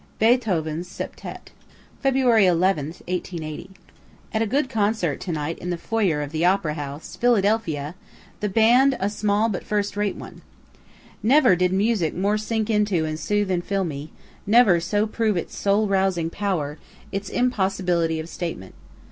BEETHOVEN'S SEPTETTE Feb. 11, '80. At a good concert to night in the foyer of the opera house, Philadelphia the band a small but first rate one. Never did music more sink into and soothe and fill me never so prove its soul rousing power, its impossibility of statement.